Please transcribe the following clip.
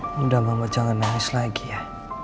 mudah mama jangan nangis lagi ya